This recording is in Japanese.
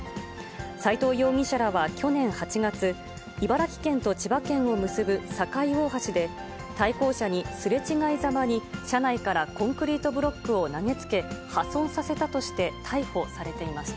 斉藤容疑者らは去年８月、茨城県と千葉県を結ぶ境大橋で、対向車にすれ違いざまに車内からコンクリートブロックを投げつけ、破損させたとして、逮捕されていました。